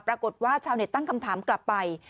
ปรากฏว่าชาวเน็ตตั้งคำถามกลับไป